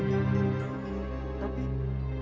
itu bukan pe deity